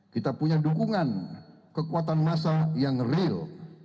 kita punya dukungan kekuatan massa yang real